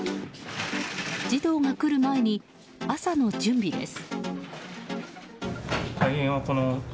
児童が来る前に朝の準備です。